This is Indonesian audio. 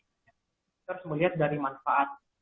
kita harus melihat dari manfaat